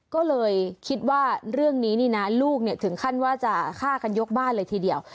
ก็เลยคิดว่าเรื่องนี้นี่นะลูกถึงขั้นว่าจะฆ่ากันยกบ้านเลยทีเดียว